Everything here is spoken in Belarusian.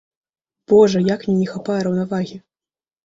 Божа, як мне не хапае раўнавагі!